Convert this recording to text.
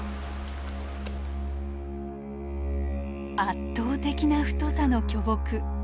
圧倒的な太さの巨木。